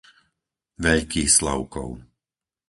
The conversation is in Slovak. Veľký Slavkov